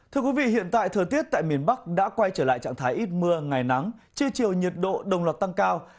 thưa quý vị hiện tại thời tiết tại miền bắc đã quay trở lại trạng thái ít mưa ngày nắng trưa chiều nhiệt độ đồng loạt tăng cao